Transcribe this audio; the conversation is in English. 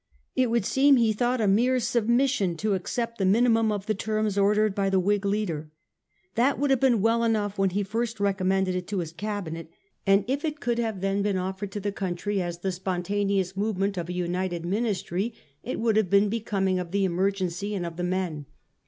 It would seem, he thought, a mere submission, to accept the mini mum of the terms ordered by the Whig leader. That would have been well enough when he first recom mended it to his Cabinet ; and if it could then have been offered to the country as the spontaneous move ment of a united Ministry, it would have been be coming of the emergency and of the men.